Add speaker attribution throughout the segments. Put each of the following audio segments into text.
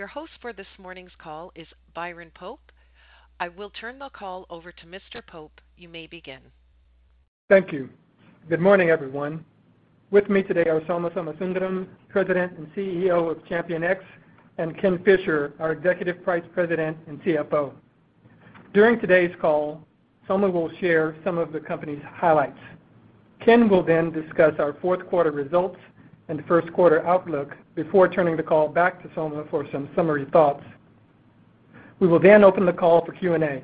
Speaker 1: Your host for this morning's call is Byron Pope. I will turn the call over to Mr. Pope. You may begin.
Speaker 2: Thank you. Good morning, everyone. With me today are Soma Somasundaram, President and CEO of ChampionX, and Ken Fisher, our Executive Vice President and CFO. During today's call, Soma will share some of the company's highlights. Ken will discuss our fourth quarter results and first quarter outlook before turning the call back to Soma for some summary thoughts. We will open the call for Q&A.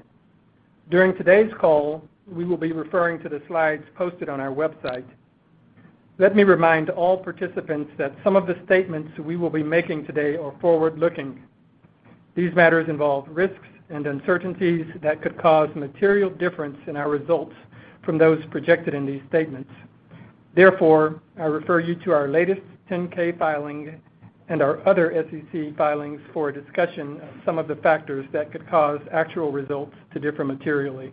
Speaker 2: During today's call, we will be referring to the slides posted on our website. Let me remind all participants that some of the statements we will be making today are forward-looking. These matters involve risks and uncertainties that could cause material difference in our results from those projected in these statements. I refer you to our latest 10-K filing and our other SEC filings for a discussion of some of the factors that could cause actual results to differ materially.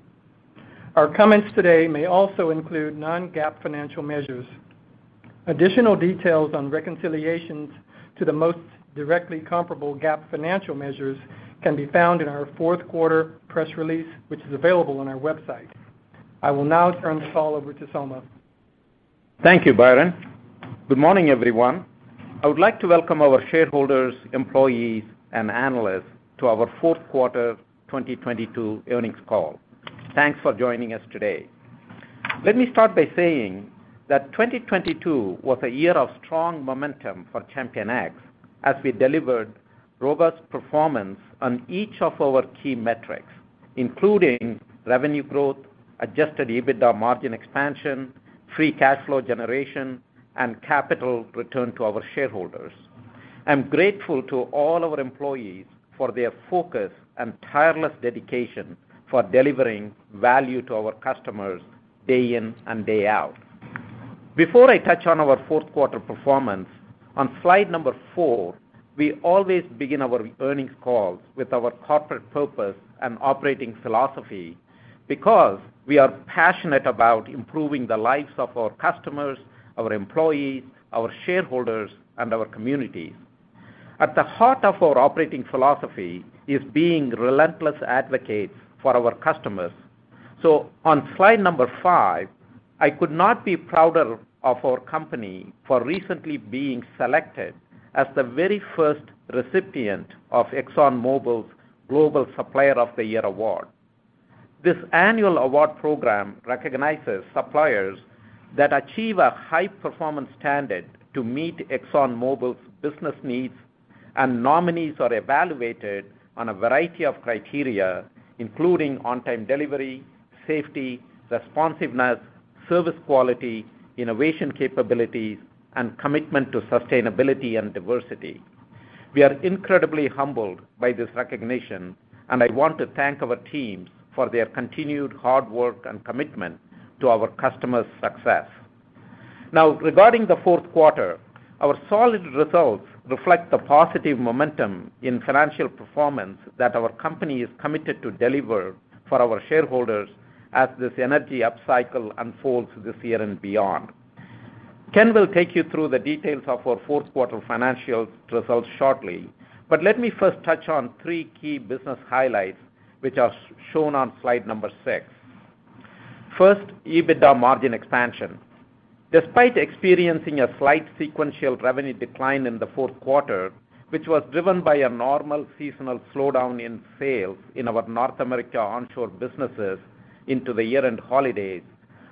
Speaker 2: Our comments today may also include non-GAAP financial measures. Additional details on reconciliations to the most directly comparable GAAP financial measures can be found in our fourth quarter press release, which is available on our website. I will now turn the call over to Soma.
Speaker 3: Thank you, Byron. Good morning, everyone. I would like to welcome our shareholders, employees, and analysts to our fourth quarter 2022 earnings call. Thanks for joining us today. Let me start by saying that 2022 was a year of strong momentum for ChampionX as we delivered robust performance on each of our key metrics, including revenue growth, Adjusted EBITDA margin expansion, free cash flow generation, and capital return to our shareholders. I'm grateful to all our employees for their focus and tireless dedication for delivering value to our customers day in and day out. Before I touch on our fourth quarter performance, on slide number four, we always begin our earnings calls with our corporate purpose and operating philosophy because we are passionate about improving the lives of our customers, our employees, our shareholders, and our communities. At the heart of our operating philosophy is being relentless advocates for our customers. On slide number five, I could not be prouder of our company for recently being selected as the very first recipient of ExxonMobil's Global Supplier of the Year award. This annual award program recognizes suppliers that achieve a high-performance standard to meet ExxonMobil's business needs, nominees are evaluated on a variety of criteria, including on-time delivery, safety, responsiveness, service quality, innovation capabilities, and commitment to sustainability and diversity. We are incredibly humbled by this recognition, I want to thank our teams for their continued hard work and commitment to our customers' success. Regarding the fourth quarter, our solid results reflect the positive momentum in financial performance that our company is committed to deliver for our shareholders as this energy upcycle unfolds this year and beyond. Ken will take you through the details of our fourth quarter financial results shortly. Let me first touch on three key business highlights which are shown on slide number six. First, EBITDA margin expansion. Despite experiencing a slight sequential revenue decline in the fourth quarter, which was driven by a normal seasonal slowdown in sales in our North America onshore businesses into the year-end holidays,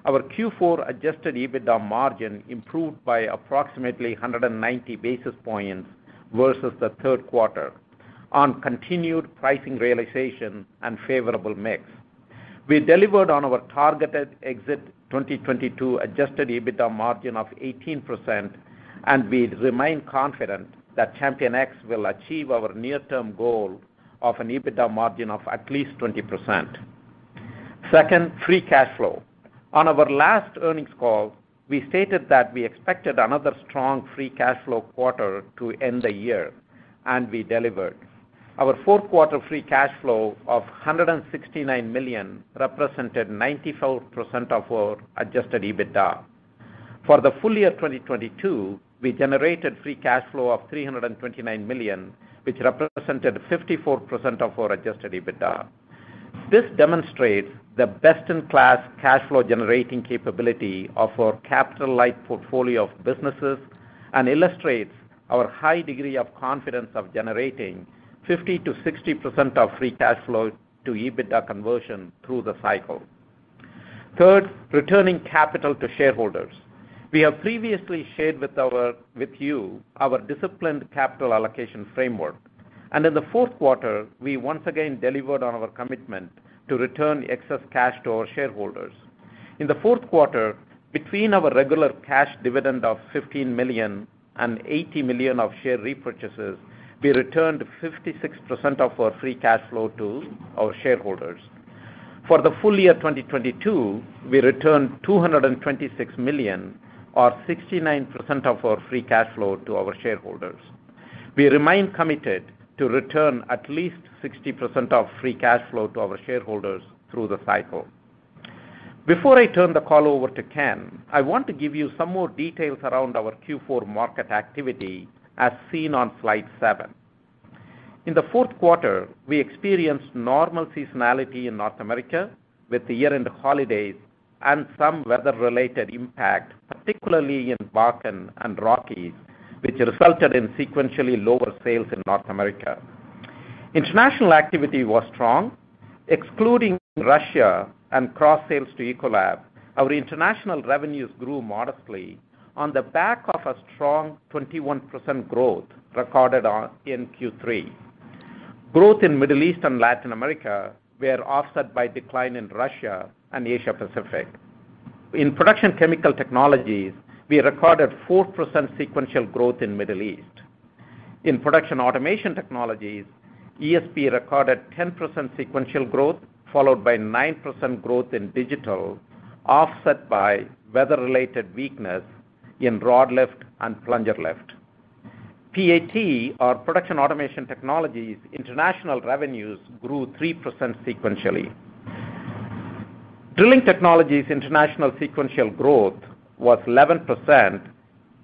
Speaker 3: our Q4 Adjusted EBITDA margin improved by approximately 190 basis points versus the third quarter on continued pricing realization and favorable mix. We delivered on our targeted exit 2022 Adjusted EBITDA margin of 18%. We remain confident that ChampionX will achieve our near-term goal of an EBITDA margin of at least 20%. Second, free cash flow. On our last earnings call, we stated that we expected another strong free cash flow quarter to end the year. We delivered. Our fourth quarter free cash flow of $169 million represented 94% of our Adjusted EBITDA. For the full year 2022, we generated free cash flow of $329 million, which represented 54% of our Adjusted EBITDA. This demonstrates the best-in-class cash flow generating capability of our capital-light portfolio of businesses and illustrates our high degree of confidence of generating 50%-60% of free cash flow to EBITDA conversion through the cycle. Third, returning capital to shareholders. We have previously shared with you our disciplined capital allocation framework. In the fourth quarter, we once again delivered on our commitment to return excess cash to our shareholders. In the fourth quarter, between our regular cash dividend of $15 million and $80 million of share repurchases, we returned 56% of our free cash flow to our shareholders. For the full year 2022, we returned $226 million, or 69% of our free cash flow to our shareholders. We remain committed to return at least 60% of free cash flow to our shareholders through the cycle. Before I turn the call over to Ken, I want to give you some more details around our Q4 market activity as seen on slide seven. In the fourth quarter, we experienced normal seasonality in North America with the year-end holidays and some weather-related impact, particularly in Bakken and Rockies, which resulted in sequentially lower sales in North America. International activity was strong. Excluding Russia and cross sales to Ecolab, our international revenues grew modestly on the back of a strong 21% growth recorded in Q3. Growth in Middle East and Latin America were offset by decline in Russia and Asia Pacific. In Production Chemical Technologies, we recorded 4% sequential growth in Middle East. In Production & Automation Technologies, ESP recorded 10% sequential growth, followed by 9% growth in digital, offset by weather-related weakness in rod lift and plunger lift. PAT, our Production and Automation Technologies, international revenues grew 3% sequentially. Drilling Technologies international sequential growth was 11%.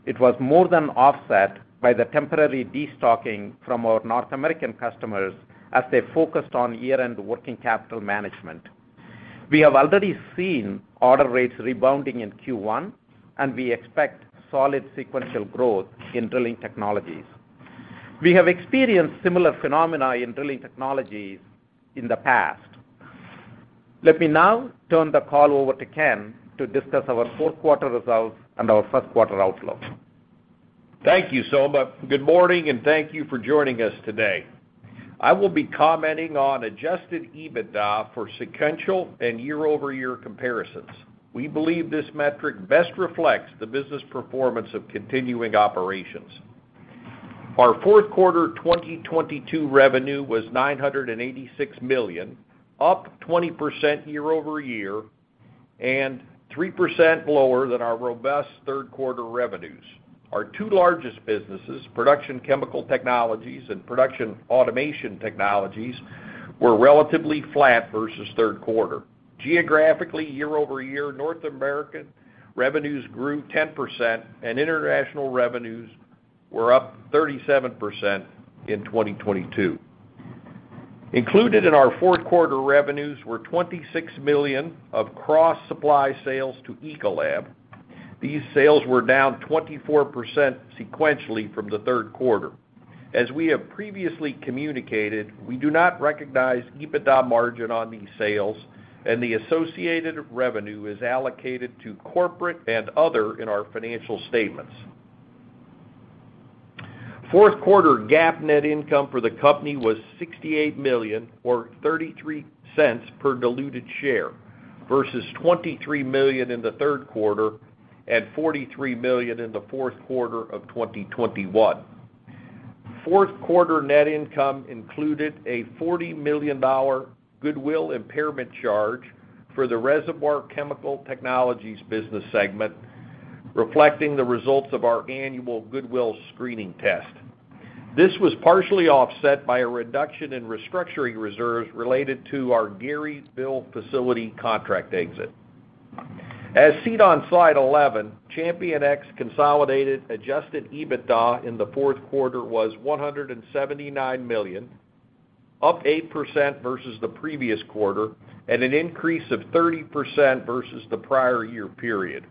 Speaker 3: It was more than offset by the temporary destocking from our North American customers as they focused on year-end working capital management. We have already seen order rates rebounding in Q1, and we expect solid sequential growth in Drilling Technologies. We have experienced similar phenomena in Drilling Technologies in the past. Let me now turn the call over to Ken to discuss our fourth quarter results and our first quarter outlook.
Speaker 4: Thank you, Soma. Good morning, and thank you for joining us today. I will be commenting on Adjusted EBITDA for sequential and year-over-year comparisons. We believe this metric best reflects the business performance of continuing operations. Our fourth quarter 2022 revenue was $986 million, up 20% year-over-year and 3% lower than our robust third quarter revenues. Our two largest businesses, Production Chemical Technologies and Production Automation Technologies, were relatively flat versus third quarter. Geographically, year-over-year, North American revenues grew 10% and international revenues were up 37% in 2022. Included in our fourth quarter revenues were $26 million of cross supply sales to Ecolab. These sales were down 24% sequentially from the third quarter. As we have previously communicated, we do not recognize EBITDA margin on these sales and the associated revenue is allocated to corporate and other in our financial statements. Fourth quarter GAAP net income for the company was $68 million or $0.33 per diluted share versus $23 million in the third quarter and $43 million in the fourth quarter of 2021. Fourth quarter net income included a $40 million goodwill impairment charge for the Reservoir Chemical Technologies business segment, reflecting the results of our annual goodwill screening test. This was partially offset by a reduction in restructuring reserves related to our Garyville facility contract exit. As seen on slide 11, ChampionX consolidated Adjusted EBITDA in the fourth quarter was $179 million, up 8% versus the previous quarter and an increase of 30% versus the prior year period.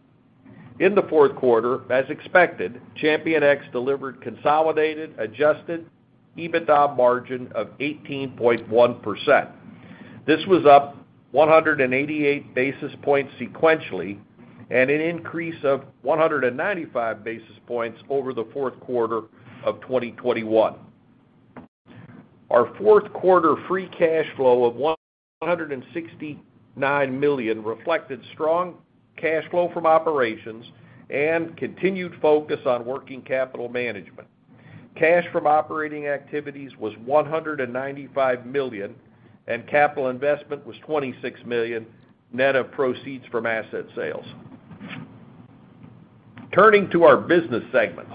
Speaker 4: In the fourth quarter, as expected, ChampionX delivered consolidated Adjusted EBITDA margin of 18.1%. This was up 188 basis points sequentially. An increase of 195 basis points over the fourth quarter of 2021. Our fourth quarter free cash flow of $169 million reflected strong cash flow from operations and continued focus on working capital management. Cash from operating activities was $195 million. Capital investment was $26 million, net of proceeds from asset sales. Turning to our business segments.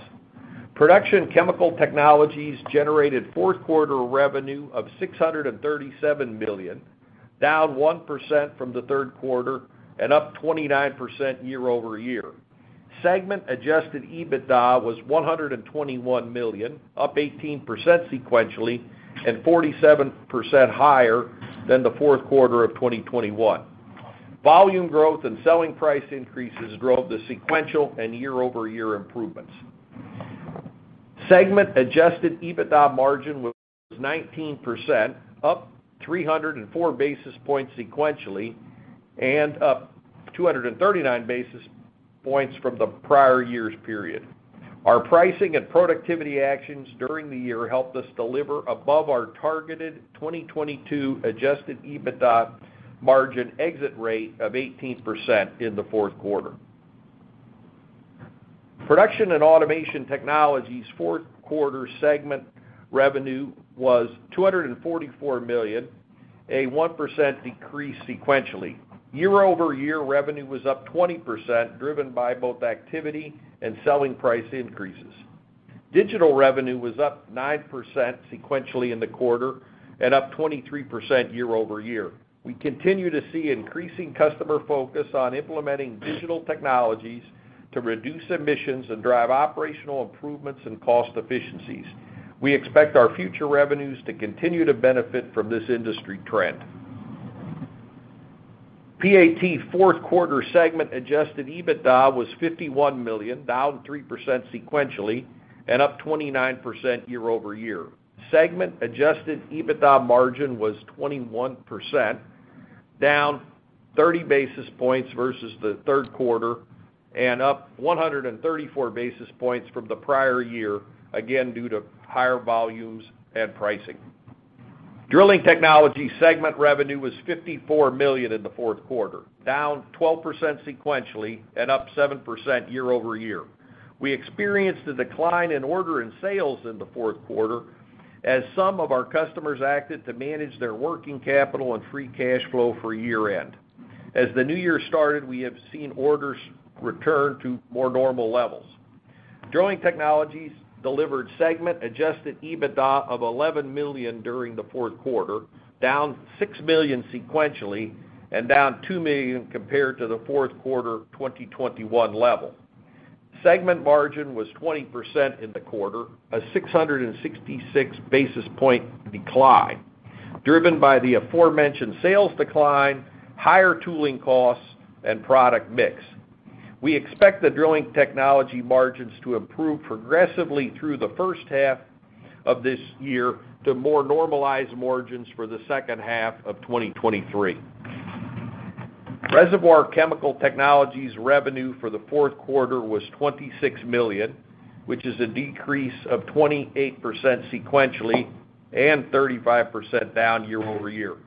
Speaker 4: Production Chemical Technologies generated fourth quarter revenue of $637 million, down 1% from the third quarter. Up 29% year-over-year. Segment Adjusted EBITDA was $121 million, up 18% sequentially. Forty-seven percent higher than the fourth quarter of 2021. Volume growth and selling price increases drove the sequential and year-over-year improvements. Segment Adjusted EBITDA margin was 19%, up 304 basis points sequentially and up 239 basis points from the prior year's period. Our pricing and productivity actions during the year helped us deliver above our targeted 2022 Adjusted EBITDA margin exit rate of 18% in the fourth quarter. Production and Automation Technologies' fourth quarter segment revenue was $244 million, a 1% decrease sequentially. Year-over-year revenue was up 20%, driven by both activity and selling price increases. Digital revenue was up 9% sequentially in the quarter and up 23% year-over-year. We continue to see increasing customer focus on implementing digital technologies to reduce emissions and drive operational improvements and cost efficiencies. We expect our future revenues to continue to benefit from this industry trend. PAT fourth quarter segment Adjusted EBITDA was $51 million, down 3% sequentially and up 29% year-over-year. Segment Adjusted EBITDA margin was 21%, down 30 basis points versus the third quarter and up 134 basis points from the prior year, again, due to higher volumes and pricing. Drilling Technologies segment revenue was $54 million in the fourth quarter, down 12% sequentially and up 7% year-over-year. We experienced a decline in order and sales in the fourth quarter as some of our customers acted to manage their working capital and free cash flow for year-end. As the new year started, we have seen orders return to more normal levels. Drilling Technologies delivered segment Adjusted EBITDA of $11 million during the fourth quarter, down $6 million sequentially and down $2 million compared to the fourth quarter 2021 level. Segment margin was 20% in the quarter, a 666 basis point decline, driven by the aforementioned sales decline, higher tooling costs, and product mix. We expect the Drilling Technologies margins to improve progressively through the first half of this year to more normalized margins for the second half of 2023. Reservoir Chemical Technologies revenue for the fourth quarter was $26 million, which is a decrease of 28% sequentially and 35% down year-over-year.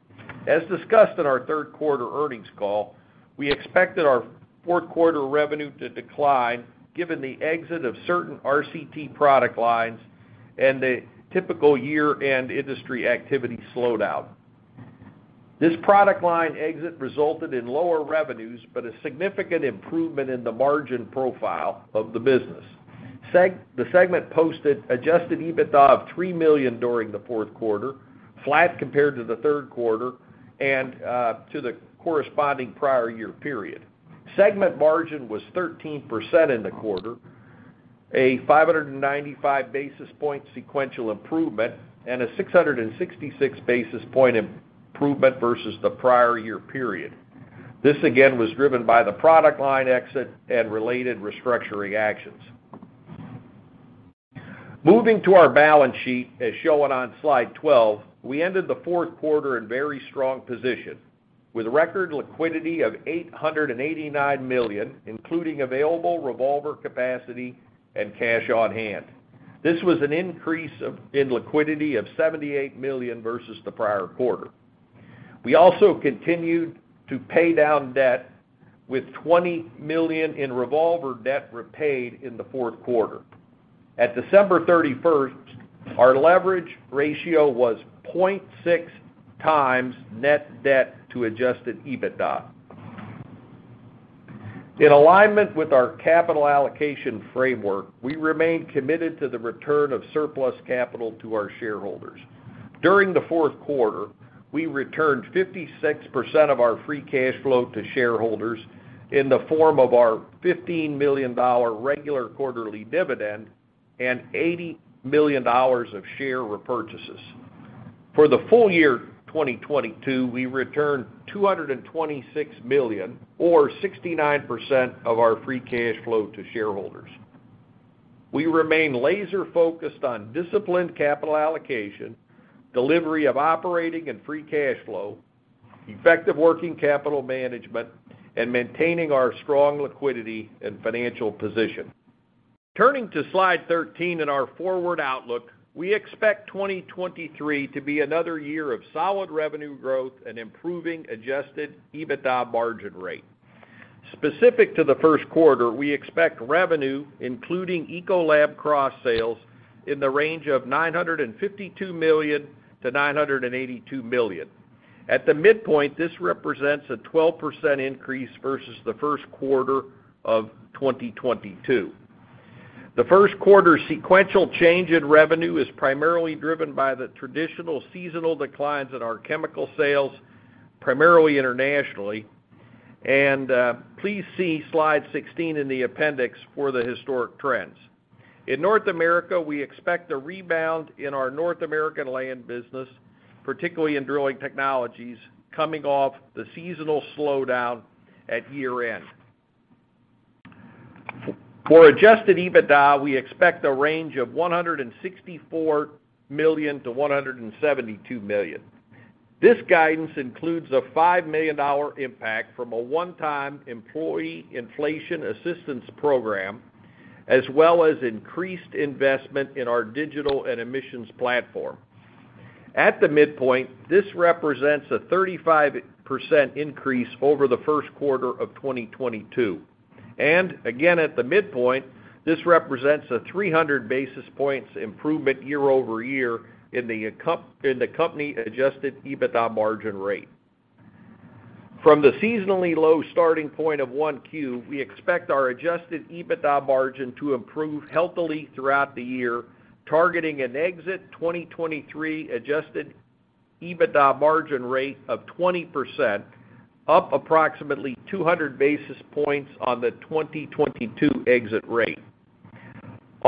Speaker 4: As discussed in our third quarter earnings call, we expected our fourth quarter revenue to decline given the exit of certain RCT product lines and the typical year-end industry activity slowdown. This product line exit resulted in lower revenues, but a significant improvement in the margin profile of the business. The segment posted Adjusted EBITDA of $3 million during the fourth quarter, flat compared to the third quarter and to the corresponding prior year period. Segment margin was 13% in the quarter, a 595 basis point sequential improvement and a 666 basis point improvement versus the prior year period. This again was driven by the product line exit and related restructuring actions. Moving to our balance sheet, as shown on slide 12, we ended the fourth quarter in very strong position with record liquidity of $889 million, including available revolver capacity and cash on hand. This was an increase in liquidity of $78 million versus the prior quarter. We also continued to pay down debt with $20 million in revolver debt repaid in the fourth quarter. At December 31st, our leverage ratio was 0.6x net debt to Adjusted EBITDA. In alignment with our capital allocation framework, we remain committed to the return of surplus capital to our shareholders. During the fourth quarter, we returned 56% of our free cash flow to shareholders in the form of our $15 million regular quarterly dividend and $80 million of share repurchases. For the full year 2022, we returned $226 million or 69% of our free cash flow to shareholders. We remain laser-focused on disciplined capital allocation, delivery of operating and free cash flow, effective working capital management, and maintaining our strong liquidity and financial position. Turning to slide 13 in our forward outlook, we expect 2023 to be another year of solid revenue growth and improving Adjusted EBITDA margin rate. Specific to the first quarter, we expect revenue, including Ecolab cross-sales, in the range of $952 million-$982 million. At the midpoint, this represents a 12% increase versus the first quarter of 2022. The first quarter sequential change in revenue is primarily driven by the traditional seasonal declines in our chemical sales, primarily internationally. Please see slide 16 in the appendix for the historic trends. In North America, we expect a rebound in our North American land business, particularly in Drilling Technologies, coming off the seasonal slowdown at year-end. For Adjusted EBITDA, we expect a range of $164 million-$172 million. This guidance includes a $5 million impact from a one-time employee inflation assistance program, as well as increased investment in our digital and emissions platform. At the midpoint, this represents a 35% increase over the first quarter of 2022. Again, at the midpoint, this represents a 300 basis points improvement year-over-year in the company Adjusted EBITDA margin rate. From the seasonally low starting point of 1Q, we expect our Adjusted EBITDA margin to improve healthily throughout the year, targeting an exit 2023 Adjusted EBITDA margin rate of 20%, up approximately 200 basis points on the 2022 exit rate.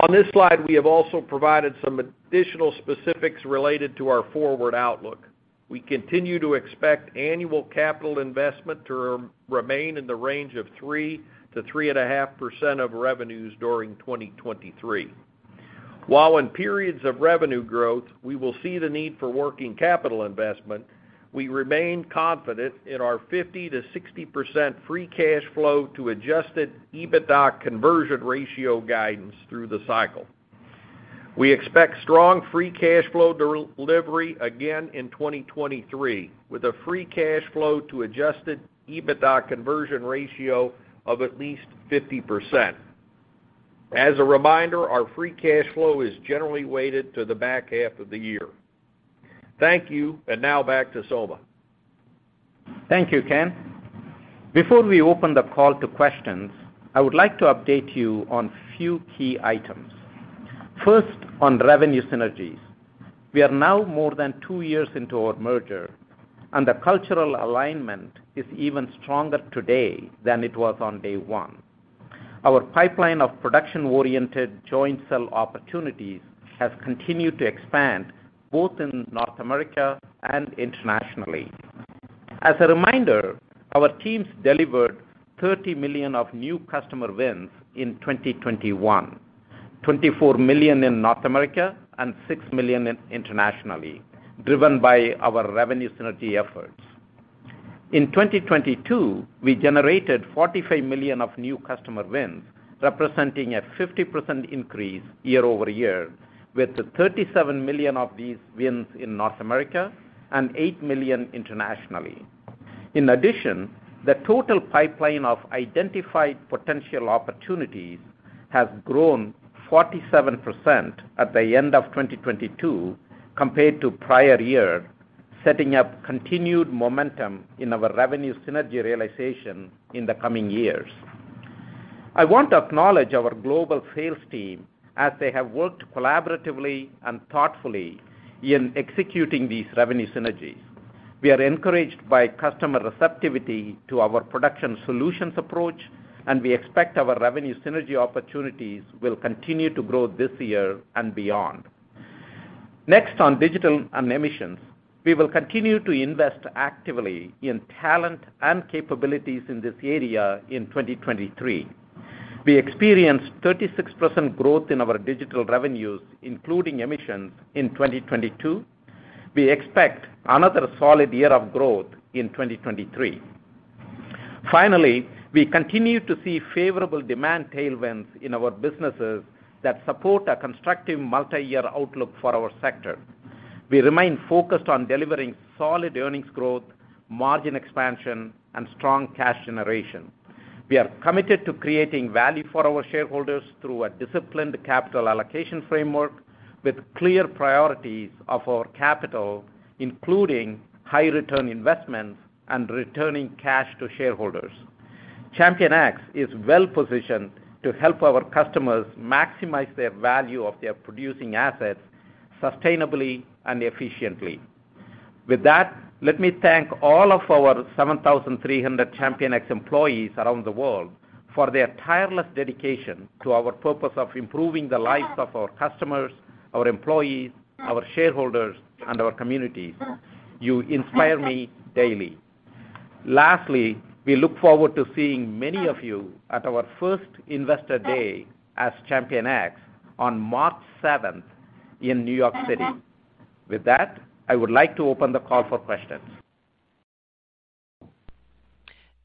Speaker 4: On this slide, we have also provided some additional specifics related to our forward outlook. We continue to expect annual capital investment to remain in the range of 3%-3.5% of revenues during 2023. While in periods of revenue growth, we will see the need for working capital investment, we remain confident in our 50%-60% free cash flow to Adjusted EBITDA conversion ratio guidance through the cycle. We expect strong free cash flow delivery again in 2023, with a free cash flow to Adjusted EBITDA conversion ratio of at least 50%. As a reminder, our free cash flow is generally weighted to the back half of the year. Thank you. Now back to Soma.
Speaker 3: Thank you, Ken. Before we open the call to questions, I would like to update you on few key items. First, on revenue synergies. We are now more than two years into our merger, and the cultural alignment is even stronger today than it was on day one. Our pipeline of production-oriented joint sell opportunities has continued to expand both in North America and internationally. As a reminder, our teams delivered $30 million of new customer wins in 2021, $24 million in North America, and $6 million internationally, driven by our revenue synergy efforts. In 2022, we generated $45 million of new customer wins, representing a 50% increase year-over-year, with $37 million of these wins in North America and $8 million internationally. In addition, the total pipeline of identified potential opportunities has grown 47% at the end of 2022 compared to prior year, setting up continued momentum in our revenue synergy realization in the coming years. I want to acknowledge our global sales team as they have worked collaboratively and thoughtfully in executing these revenue synergies. We are encouraged by customer receptivity to our production solutions approach, and we expect our revenue synergy opportunities will continue to grow this year and beyond. Next, on digital and emissions, we will continue to invest actively in talent and capabilities in this area in 2023. We experienced 36% growth in our digital revenues, including emissions, in 2022. We expect another solid year of growth in 2023. We continue to see favorable demand tailwinds in our businesses that support a constructive multi-year outlook for our sector. We remain focused on delivering solid earnings growth, margin expansion, and strong cash generation. We are committed to creating value for our shareholders through a disciplined capital allocation framework with clear priorities of our capital, including high return investments and returning cash to shareholders. ChampionX is well positioned to help our customers maximize their value of their producing assets sustainably and efficiently. Let me thank all of our 7,300 ChampionX employees around the world for their tireless dedication to our purpose of improving the lives of our customers, our employees, our shareholders, and our communities. You inspire me daily. We look forward to seeing many of you at our first Investor Day as ChampionX on March seventh in New York City. I would like to open the call for questions.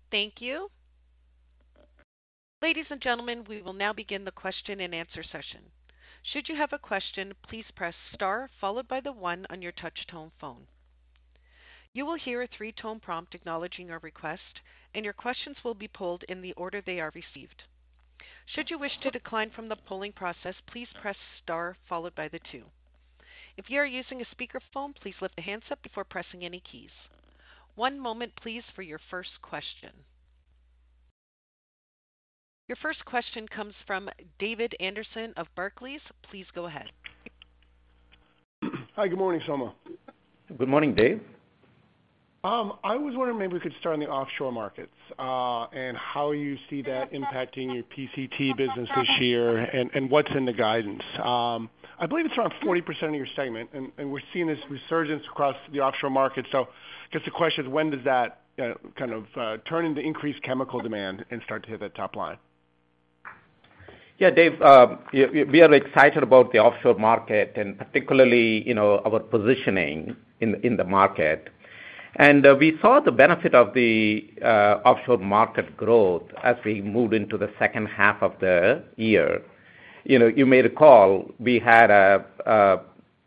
Speaker 1: Thank you. Ladies and gentlemen, we will now begin the question-and-answer session. Should you have a question, please press star followed by the one on your touch tone phone. You will hear a three-tone prompt acknowledging your request, and your questions will be pulled in the order they are received. Should you wish to decline from the polling process, please press star followed by the two. If you are using a speakerphone, please lift the handset before pressing any keys. One moment please for your first question. Your first question comes from David Anderson of Barclays. Please go ahead.
Speaker 5: Hi, good morning, Soma.
Speaker 3: Good morning, Dave.
Speaker 5: I was wondering maybe we could start on the offshore markets, and how you see that impacting your PCT business this year and what's in the guidance. I believe it's around 40% of your segment, we're seeing this resurgence across the offshore market. Just a question, when does that kind of turn into increased chemical demand and start to hit the top line?
Speaker 3: Yeah, Dave, you know, we are excited about the offshore market and particularly, you know, our positioning in the market. We saw the benefit of the offshore market growth as we moved into the second half of the year. You know, you may recall we had a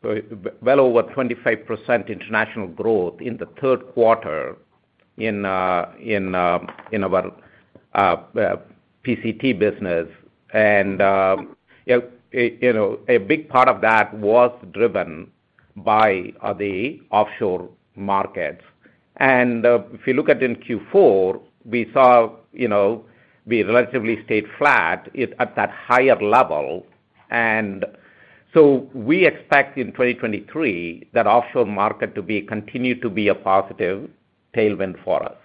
Speaker 3: well over 25% international growth in the third quarter in our PCT business. You, you know, a big part of that was driven by the offshore markets. If you look at in Q4, we saw, you know, we relatively stayed flat at that higher level. So we expect in 2023 that offshore market to be continued to be a positive tailwind for us.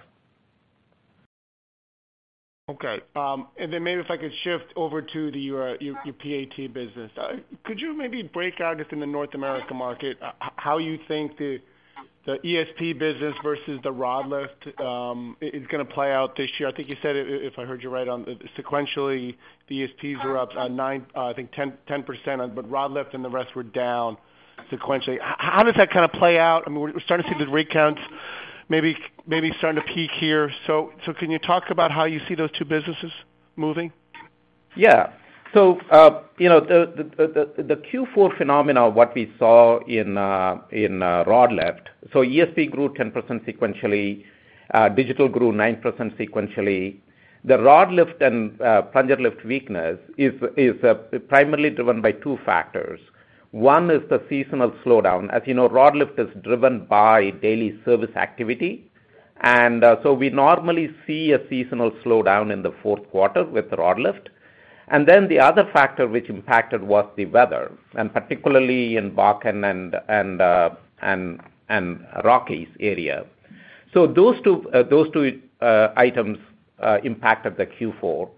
Speaker 5: Maybe if I could shift over to the PAT business. Could you maybe break out if in the North America market how you think the ESP business versus the rod lift is gonna play out this year? I think you said, if I heard you right on, sequentially, ESPs were up 9%, I think 10%, but rod lift and the rest were down sequentially. How does that kind of play out? I mean, we're starting to see the rig counts maybe starting to peak here. Can you talk about how you see those two businesses moving?
Speaker 3: Yeah. You know, the Q4 phenomena of what we saw in rod lift, ESP grew 10% sequentially, digital grew 9% sequentially. The rod lift and plunger lift weakness is primarily driven by two factors. One is the seasonal slowdown. As you know, rod lift is driven by daily service activity. We normally see a seasonal slowdown in the fourth quarter with rod lift. The other factor which impacted was the weather, particularly in Bakken and Rockies area. Those two, those two items impacted the Q4.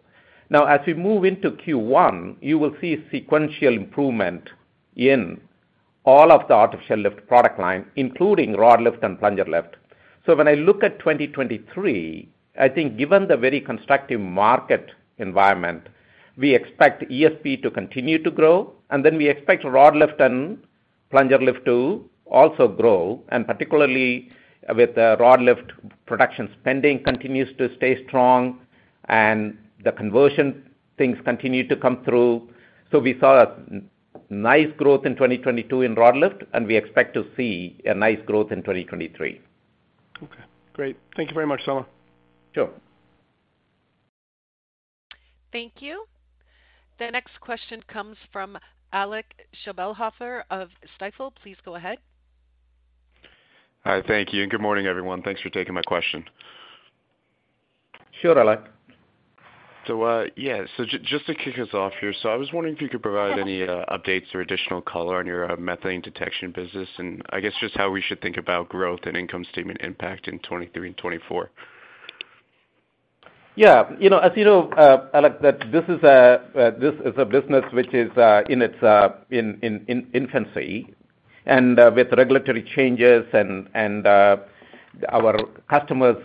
Speaker 3: Now as we move into Q1, you will see sequential improvement in all of the artificial lift product line, including rod lift and plunger lift. When I look at 2023, I think given the very constructive market environment, we expect ESP to continue to grow, and then we expect rod lift and plunger lift to also grow, and particularly with rod lift production spending continues to stay strong and the conversion things continue to come through. We saw a nice growth in 2022 in rod lift, and we expect to see a nice growth in 2023.
Speaker 5: Okay, great. Thank you very much, Soma.
Speaker 3: Sure.
Speaker 1: Thank you. The next question comes from Stephen Gengaro of Stifel. Please go ahead.
Speaker 6: Hi. Thank you, and good morning, everyone. Thanks for taking my question.
Speaker 3: Sure, Alec.
Speaker 6: Yeah, so just to kick us off here, so I was wondering if you could provide any updates or additional color on your methane detection business, and I guess just how we should think about growth and income statement impact in 2023 and 2024?
Speaker 3: Yeah. You know, as you know, Alec, that this is a business which is in its infancy, and with regulatory changes and our customers'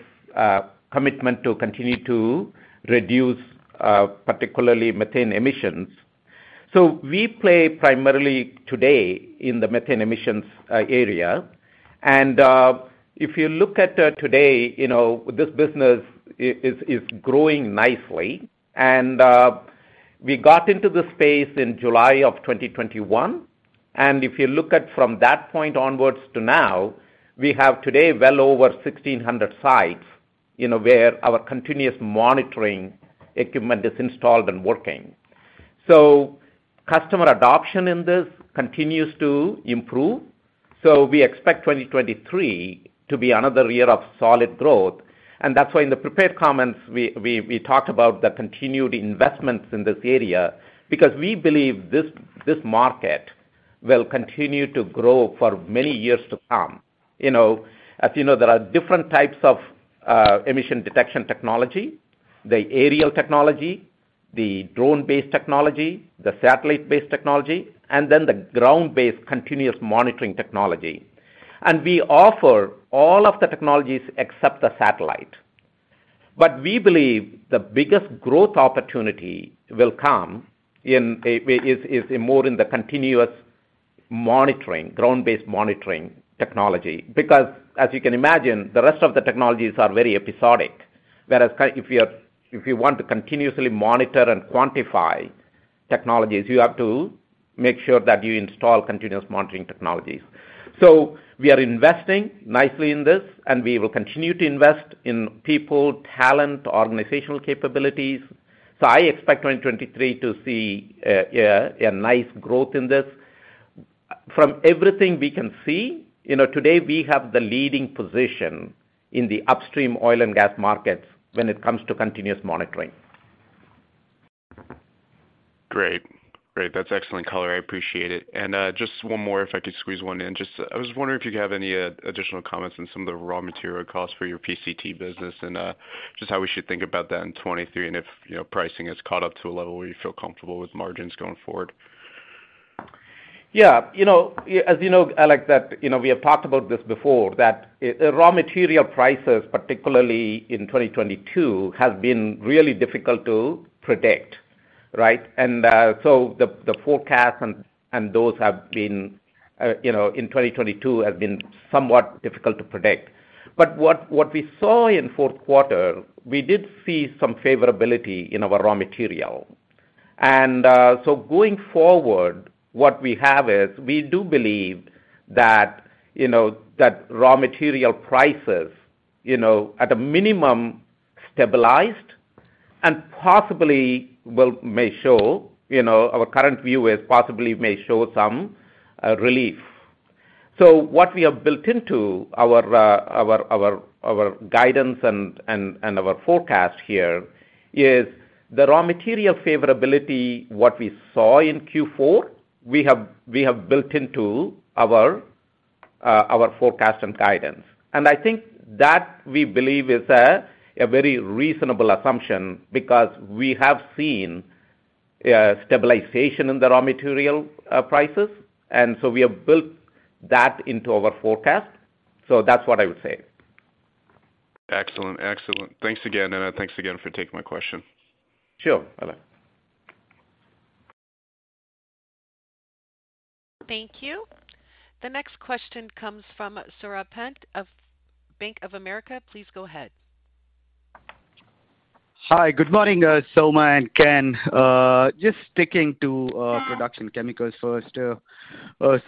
Speaker 3: commitment to continue to reduce particularly methane emissions. We play primarily today in the methane emissions area. If you look at today, you know, this business is growing nicely. We got into the space in July of 2021. If you look at from that point onwards to now, we have today well over 1,600 sites, you know, where our continuous monitoring equipment is installed and working. Customer adoption in this continues to improve, so we expect 2023 to be another year of solid growth. That's why in the prepared comments, we talked about the continued investments in this area because we believe this market will continue to grow for many years to come. You know, as you know, there are different types of emission detection technology, the aerial technology, the drone-based technology, the satellite-based technology, and then the ground-based continuous monitoring technology. We offer all of the technologies except the satellite. We believe the biggest growth opportunity will come is more in the continuous monitoring, ground-based monitoring technology. As you can imagine, the rest of the technologies are very episodic. Whereas if you want to continuously monitor and quantify technologies, you have to make sure that you install continuous monitoring technologies. We are investing nicely in this, and we will continue to invest in people, talent, organizational capabilities. I expect in 2023 to see a nice growth in this. From everything we can see, you know, today we have the leading position in the upstream oil and gas markets when it comes to continuous monitoring.
Speaker 6: Great. That's excellent color. I appreciate it. Just one more, if I could squeeze one in. Just, I was wondering if you have any additional comments on some of the raw material costs for your PCT business and just how we should think about that in 2023, and if, you know, pricing has caught up to a level where you feel comfortable with margins going forward?
Speaker 3: Yeah. You know, as you know, Alec, that, you know, we have talked about this before, that raw material prices, particularly in 2022, has been really difficult to predict, right? So the forecast and those have been, you know, in 2022 have been somewhat difficult to predict. What we saw in fourth quarter, we did see some favorability in our raw material. Going forward, what we have is we do believe that, you know, that raw material prices, you know, at a minimum stabilized and possibly may show, you know, our current view is possibly may show some relief. What we have built into our guidance and our forecast here is the raw material favorability, what we saw in Q4, we have built into our forecast and guidance. I think that we believe is a very reasonable assumption because we have seen stabilization in the raw material prices. We have built that into our forecast. That's what I would say.
Speaker 6: Excellent. Excellent. Thanks again. Thanks again for taking my question.
Speaker 3: Sure. Bye-bye.
Speaker 1: Thank you. The next question comes from Saurabh Pant of Bank of America. Please go ahead.
Speaker 7: Hi. Good morning, Soma and Ken. Just sticking to production chemicals first.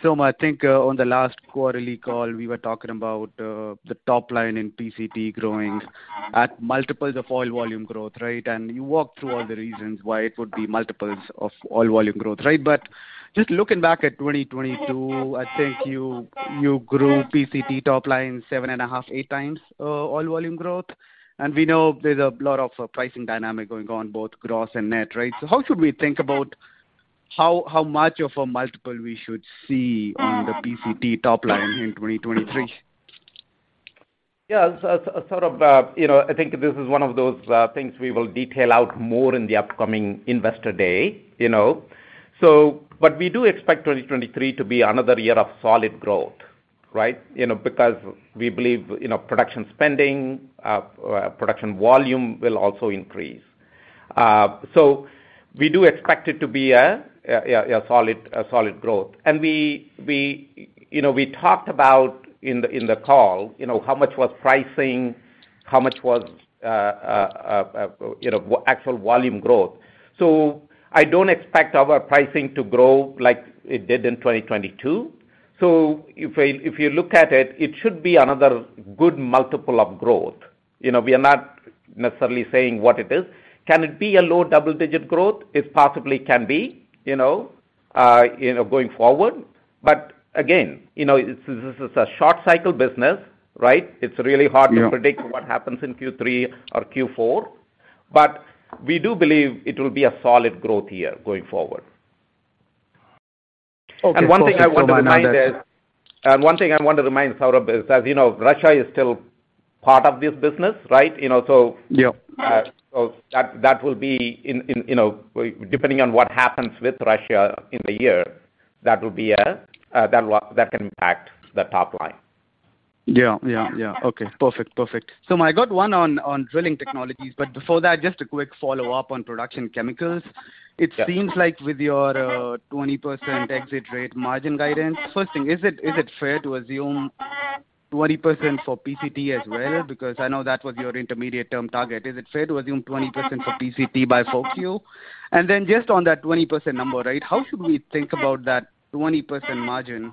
Speaker 7: Soma, I think, on the last quarterly call, we were talking about the top line in PCT growing at multiples of oil volume growth, right? You walked through all the reasons why it would be multiples of oil volume growth, right? Just looking back at 2022, I think you grew PCT top line 7.5-8x oil volume growth. We know there's a lot of pricing dynamic going on both gross and net, right? How should we think about how much of a multiple we should see on the PCT top line in 2023?
Speaker 3: Yeah. Sort of, you know, I think this is one of those things we will detail out more in the upcoming Investor Day, you know. We do expect 2023 to be another year of solid growth, right? You know, because we believe, you know, production spending, production volume will also increase. We do expect it to be a solid growth. We, you know, we talked about in the, in the call, you know, how much was pricing, how much was, you know, actual volume growth. I don't expect our pricing to grow like it did in 2022. If you look at it should be another good multiple of growth. You know, we are not necessarily saying what it is. Can it be a low double-digit growth? It possibly can be, you know, you know, going forward. Again, you know, it's, this is a short cycle business, right?
Speaker 7: Yeah.
Speaker 3: It's really hard to predict what happens in Q3 or Q4. We do believe it will be a solid growth year going forward.
Speaker 7: Okay.
Speaker 3: One thing I want to remind, Saurabh, is, as you know, Russia is still part of this business, right? You know.
Speaker 7: Yeah.
Speaker 3: That will be in, you know, depending on what happens with Russia in the year, that will be a, that can impact the top line.
Speaker 7: Yeah. Yeah. Yeah. Okay. Perfect. Perfect. Soma, I got one on Drilling Technologies, but before that, just a quick follow-up on Production Chemicals.
Speaker 3: Yeah.
Speaker 7: It seems like with your 20% exit rate margin guidance, first thing, is it fair to assume 20% for PCT as well? I know that was your intermediate-term target. Is it fair to assume 20% for PCT by full Q? Just on that 20% number, right, how should we think about that 20% margin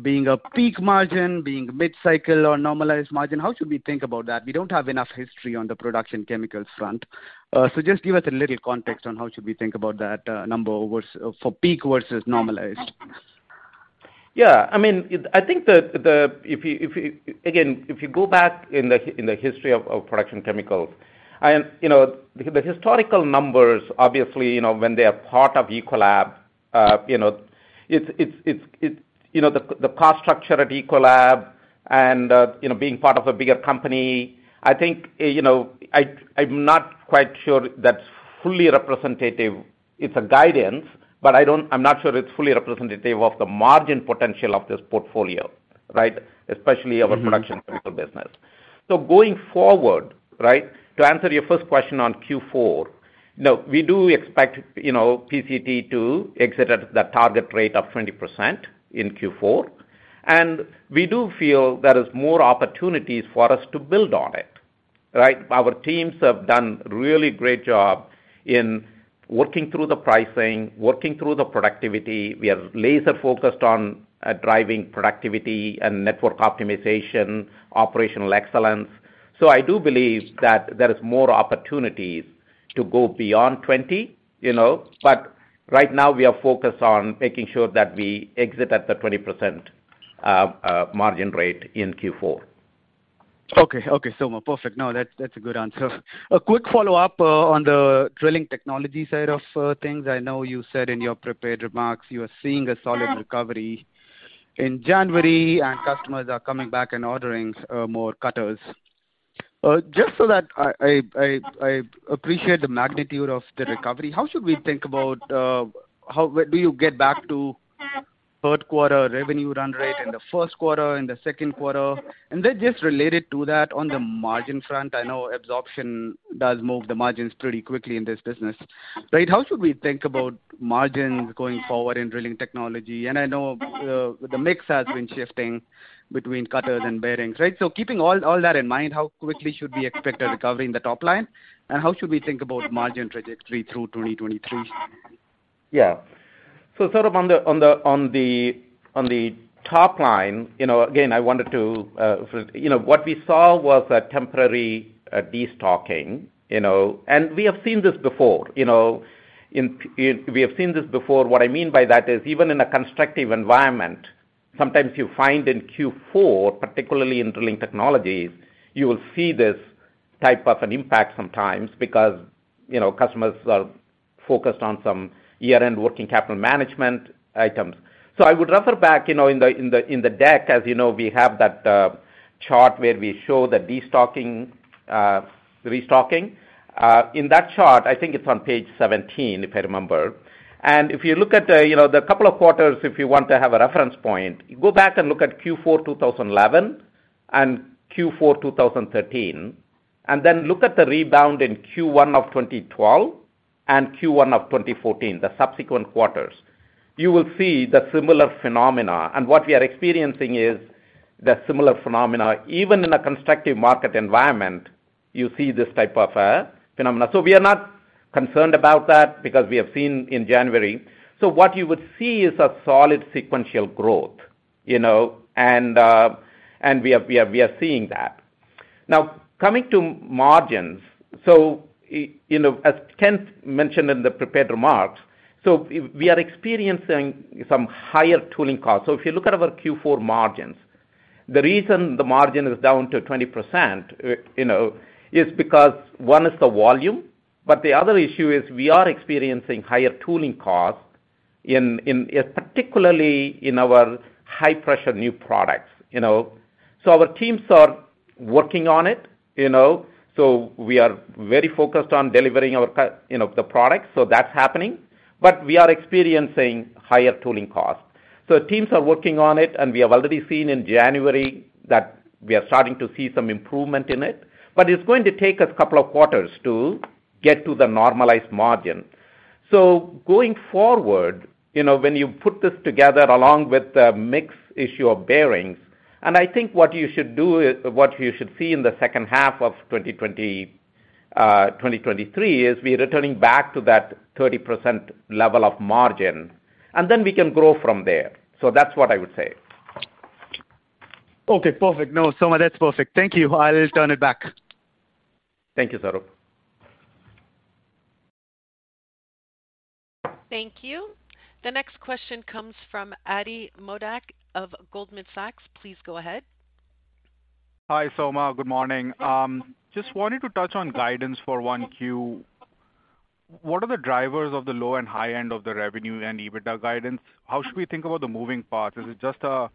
Speaker 7: being a peak margin, being mid-cycle or normalized margin? How should we think about that? We don't have enough history on the production chemicals front. Just give us a little context on how should we think about that number for peak versus normalized.
Speaker 3: Yeah. I mean, I think the... If you again, if you go back in the, in the history of production chemicals and, you know, the historical numbers, obviously, you know, when they are part of Ecolab, you know, it's... You know, the cost structure at Ecolab and, you know, being part of a bigger company, I think, you know, I'm not quite sure that's fully representative. It's a guidance, but I'm not sure it's fully representative of the margin potential of this portfolio, right? Especially our production chemical business. Going forward, right, to answer your first question on Q4, you know, we do expect, you know, PCT to exit at the target rate of 20% in Q4. We do feel there is more opportunities for us to build on it, right? Our teams have done really great job in working through the pricing, working through the productivity. We are laser-focused on driving productivity and network optimization, operational excellence. I do believe that there is more opportunities to go beyond 20, you know. Right now we are focused on making sure that we exit at the 20% margin rate in Q4.
Speaker 7: Okay, Soma. Perfect. No, that's a good answer. A quick follow-up on the Drilling Technologies side of things. I know you said in your prepared remarks you are seeing a solid recovery in January, and customers are coming back and ordering more cutters. Just so that I appreciate the magnitude of the recovery, how should we think about where do you get back to third quarter revenue run rate in the first quarter, in the second quarter? Then just related to that, on the margin front, I know absorption does move the margins pretty quickly in this business, right? How should we think about margins going forward in Drilling Technologies? I know the mix has been shifting between cutters and bearings, right? keeping all that in mind, how quickly should we expect a recovery in the top line, and how should we think about margin trajectory through 2023?
Speaker 3: Yeah. Sort of on the top line, you know, again, I wanted to, you know, what we saw was a temporary destocking, you know, and we have seen this before, you know. We have seen this before. What I mean by that is even in a constructive environment, sometimes you find in Q4, particularly in Drilling Technologies, you will see this type of an impact sometimes because, you know, customers are focused on some year-end working capital management items. I would refer back, you know, in the deck, as you know, we have that chart where we show the destocking, restocking. In that chart, I think it's on page 17, if I remember. If you look at, you know, the couple of quarters if you want to have a reference point, go back and look at Q4 2011 and Q4 2013, then look at the rebound in Q1 of 2012 and Q1 of 2014, the subsequent quarters. You will see the similar phenomena. What we are experiencing is the similar phenomena. Even in a constructive market environment, you see this type of phenomena. We are not concerned about that because we have seen in January. What you would see is a solid sequential growth, you know, and we are seeing that. Now, coming to margins. You know, as Ken mentioned in the prepared remarks, we are experiencing some higher tooling costs. If you look at our Q4 margins, the reason the margin is down to 20%, you know, is because one is the volume, but the other issue is we are experiencing higher tooling costs in, particularly in our high-pressure new products, you know. Our teams are working on it, you know, we are very focused on delivering our you know, the products. That's happening. We are experiencing higher tooling costs. Teams are working on it, and we have already seen in January that we are starting to see some improvement in it, but it's going to take us a couple of quarters to get to the normalized margin. Going forward, you know, when you put this together along with the mix issue of bearings, and I think what you should do is... What you should see in the second half of 2023 is we're returning back to that 30% level of margin, and then we can grow from there. That's what I would say.
Speaker 8: Okay, perfect. No, Soma, that's perfect. Thank you. I'll turn it back.
Speaker 3: Thank you, Saurabh.
Speaker 1: Thank you. The next question comes from Ati Modak of Goldman Sachs. Please go ahead.
Speaker 9: Hi, Soma. Good morning. Just wanted to touch on guidance for 1Q. What are the drivers of the low and high end of the revenue and EBITDA guidance? How should we think about the moving parts? Is it just a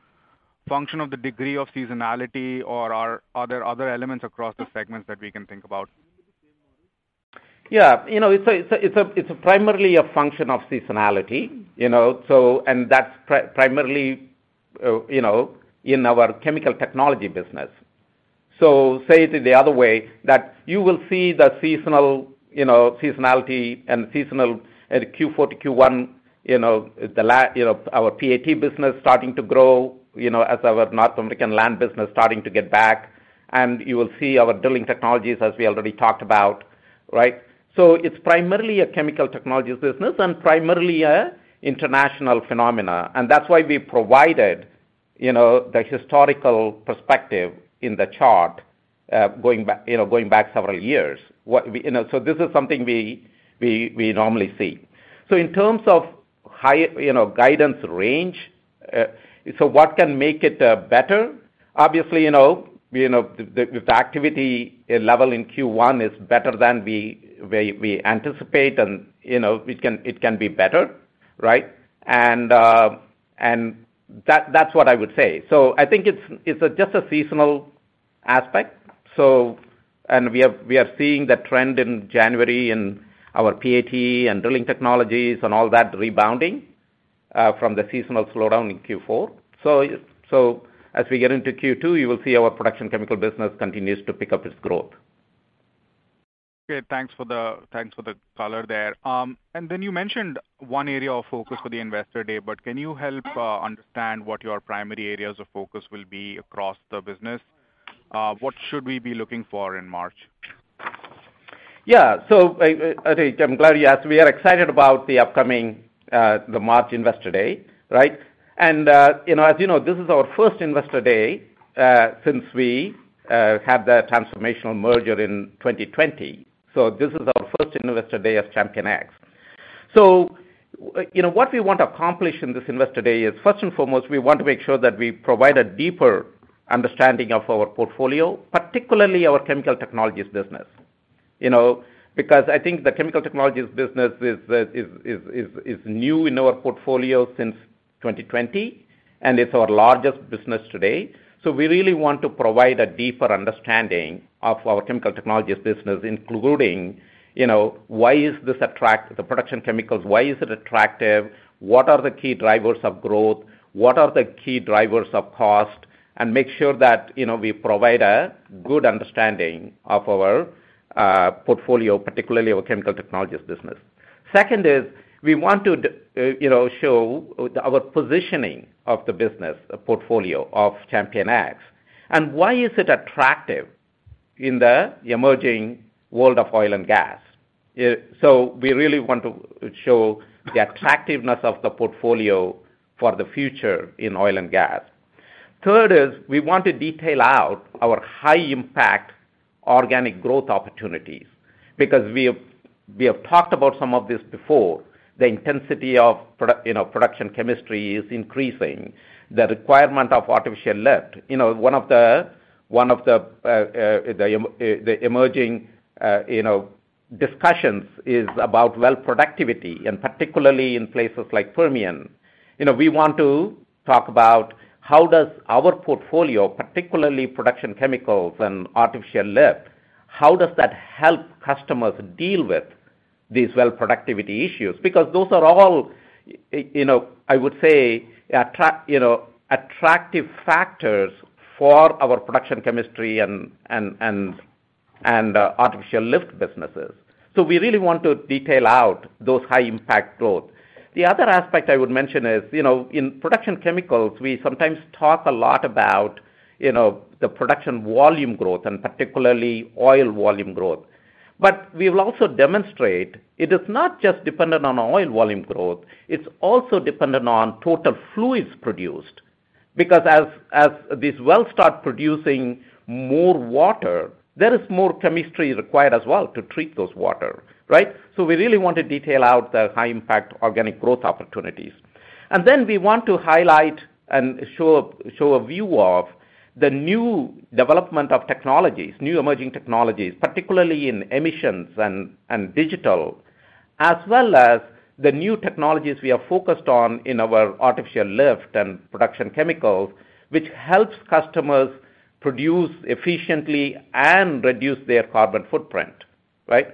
Speaker 9: function of the degree of seasonality or are there other elements across the segments that we can think about?
Speaker 3: Yeah. You know, it's a primarily a function of seasonality, you know. And that's primarily, you know, in our chemical technology business. Say it the other way, that you will see the seasonal, you know, seasonality and seasonal at Q4-Q1, you know, our PAT business starting to grow, you know, as our North American land business starting to get back. You will see our Drilling Technologies as we already talked about, right? It's primarily a chemical technologies business and primarily a international phenomena. That's why we provided, you know, the historical perspective in the chart, going back, you know, going back several years. You know, this is something we normally see. In terms of high, you know, guidance range, what can make it better? Obviously, you know, the activity level in Q1 is better than we anticipate and, you know, it can be better, right? That's what I would say. I think it's just a seasonal aspect. And we are seeing the trend in January in our PAT and Drilling Technologies and all that rebounding from the seasonal slowdown in Q4. As we get into Q2, you will see our Production Chemical business continues to pick up its growth.
Speaker 9: Okay, thanks for the color there. You mentioned one area of focus for the Investor Day, but can you help understand what your primary areas of focus will be across the business? What should we be looking for in March?
Speaker 3: Yeah. Ati, I'm glad you asked. We are excited about the upcoming, the March Investor Day, right? You know, as you know, this is our first Investor Day since we had the transformational merger in 2020. This is our first Investor Day as ChampionX. You know, what we want to accomplish in this Investor Day is, first and foremost, we want to make sure that we provide a deeper understanding of our portfolio, particularly our chemical technologies business. You know, because I think the chemical technologies business is new in our portfolio since 2020, and it's our largest business today. We really want to provide a deeper understanding of our chemical technologies business, including, you know, why is this the production chemicals, why is it attractive? What are the key drivers of growth? What are the key drivers of cost? Make sure that, you know, we provide a good understanding of our portfolio, particularly our chemical technologies business. Second is, we want to, you know, show our positioning of the business portfolio of ChampionX. Why is it attractive in the emerging world of oil and gas. We really want to show the attractiveness of the portfolio for the future in oil and gas. Third is we want to detail out our high impact organic growth opportunities, because we have talked about some of this before. The intensity of, you know, production chemistry is increasing. The requirement of artificial lift. You know, one of the emerging, you know, discussions is about well productivity, and particularly in places like Permian. You know, we want to talk about how does our portfolio, particularly production chemicals and artificial lift, how does that help customers deal with these well productivity issues? Because those are all, you know, I would say, attractive factors for our production chemistry and artificial lift businesses. We really want to detail out those high impact growth. The other aspect I would mention is, you know, in production chemicals, we sometimes talk a lot about, you know, the production volume growth and particularly oil volume growth. We will also demonstrate it is not just dependent on oil volume growth, it's also dependent on total fluids produced, because as these wells start producing more water, there is more chemistry required as well to treat those water, right? We really want to detail out the high impact organic growth opportunities. We want to highlight and show a view of the new development of technologies, new emerging technologies, particularly in emissions and digital, as well as the new technologies we are focused on in our artificial lift and production chemicals, which helps customers produce efficiently and reduce their carbon footprint, right?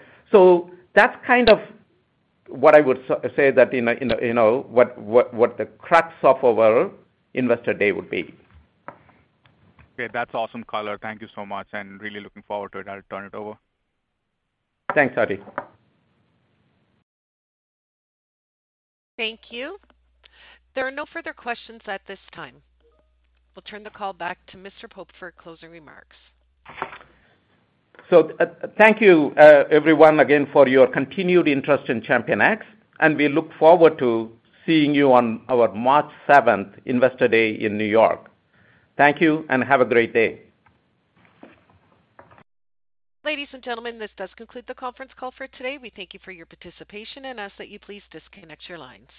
Speaker 3: That's kind of what I would say that, you know, what the crux of our Investor Day would be.
Speaker 9: Okay, that's awesome color. Thank you so much, and really looking forward to it. I'll turn it over.
Speaker 3: Thanks, Ati Modak.
Speaker 1: Thank you. There are no further questions at this time. We'll turn the call back to Mr. Pope for closing remarks.
Speaker 2: Thank you, everyone, again for your continued interest in ChampionX, and we look forward to seeing you on our March seventh Investor Day in New York. Thank you and have a great day.
Speaker 1: Ladies and gentlemen, this does conclude the conference call for today. We thank you for your participation and ask that you please disconnect your lines.